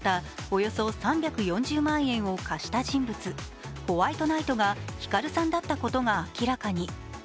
およそ３４０万円を貸した人物、ホワイトナイトがヒカルさんだったことが明らかに。